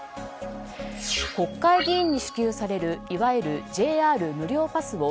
国会議員に支給されるいわゆるＪＲ無料パスを